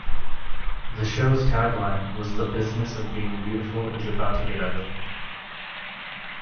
The show's tagline was The business of being beautiful is about to get ugly.